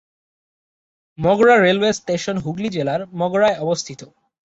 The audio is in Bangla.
মগরা রেলওয়ে স্টেশন হুগলী জেলার মগরায় অবস্থিত।